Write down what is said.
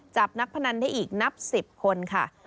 จับนักพนันได้อีกนับ๑๐คนค่ะ